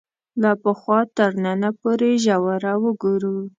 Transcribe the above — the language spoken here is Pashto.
له پخوا تر ننه پورې ژوره وګورو